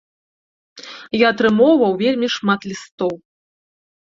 Я атрымоўваў вельмі шмат лістоў.